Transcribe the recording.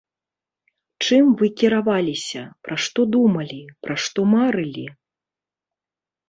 Чым вы кіраваліся, пра што думалі, пра што марылі?